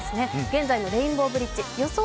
現在のレインボーブリッジ、予想